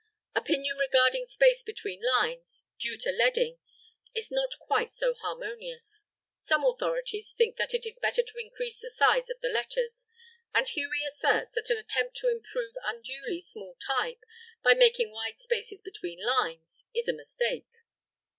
Opinion regarding space between lines, due to "leading," is not quite so harmonious. Some authorities think that it is better to increase the size of the letters; and Huey asserts that an attempt to improve unduly small type by making wide spaces between lines is a mistake.